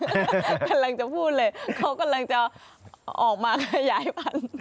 กำลังจะพูดเลยเขากำลังจะออกมาขยายพันธุ์